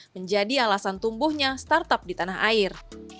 menjadi alasan tumbuhnya startup di tanah air